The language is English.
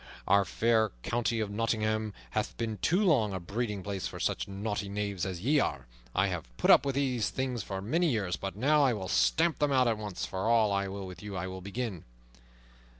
Our fair county of Nottingham hath been too long a breeding place for such naughty knaves as ye are. I have put up with these things for many years, but now I will stamp them out once for all, and with you I will begin."